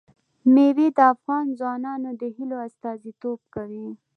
مېوې د افغان ځوانانو د هیلو استازیتوب کوي.